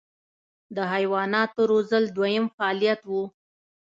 د حیواناتو روزل دویم فعالیت و.